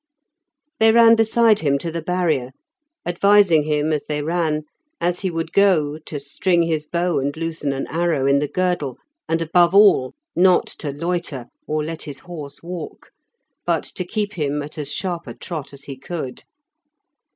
They ran beside him to the barrier; advising him as they ran, as he would go, to string his bow and loosen an arrow in the girdle, and above all, not to loiter, or let his horse walk, but to keep him at as sharp a trot as he could.